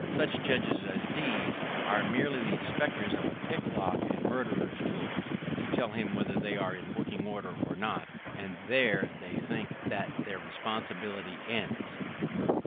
Such judges as these are merely the inspectors of a pick lock and murderer's tools, to tell him whether they are in working order or not, and there they think that their responsibility ends.